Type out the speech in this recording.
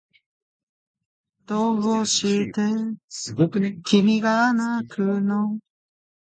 どうして君がなくの